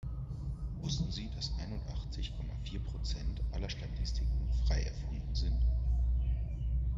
Wussten Sie, dass einundachtzig Komma vier Prozent aller Statistiken frei erfunden sind?